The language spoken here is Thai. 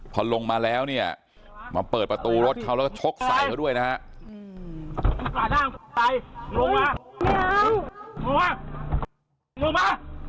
พอลงมาแล้วเนี่ยมาเปิดประตูรถเขาแล้วก็ชกใส่เขาด้วยนะฮะ